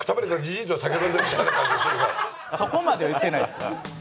そこまでは言うてないですよ。